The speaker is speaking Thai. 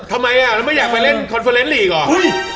ทำไมไม่อยากไปเล่นคอนเฟอร์เรนต์ลีกอ๋อ